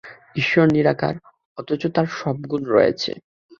ঈশ্বর নিরাকার, অথচ তাঁর সব গুণ রয়েছে।